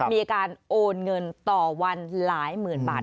มีการโอนเงินต่อวันหลายหมื่นบาท